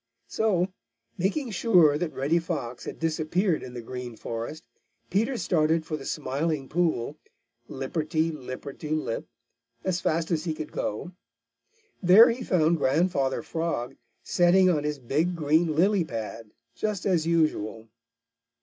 So, making sure that Reddy Fox had disappeared in the Green Forest, Peter started for the Smiling Pool, lipperty lipperty lip, as fast as he could go. There he found Grandfather Frog setting on his big green lily pad, just as usual.